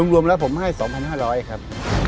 รวมแล้วผมให้๒๕๐๐ครับ